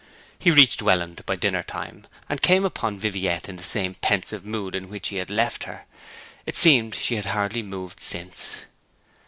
He reached Welland by dinner time, and came upon Viviette in the same pensive mood in which he had left her. It seemed she had hardly moved since.